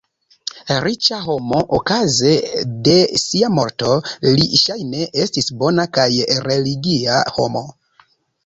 Riĉa homo okaze de sia morto, li ŝajne estis bona kaj religia homo.